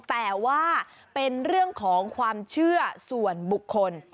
แต่ว่าเป็นเรื่องของความเชื่อส่วนบุคคล